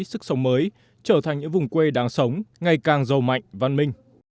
sức sống mới trở thành những vùng quê đáng sống ngày càng giàu mạnh văn minh